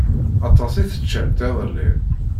Aṭas i teččamt iḍelli.